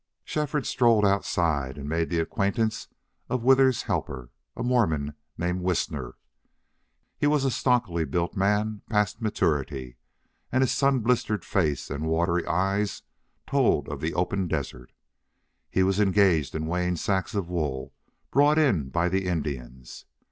Shefford strolled outside and made the acquaintance of Withers's helper, a Mormon named Whisner. He was a stockily built man past maturity, and his sun blistered face and watery eyes told of the open desert. He was engaged in weighing sacks of wool brought in by the Indians.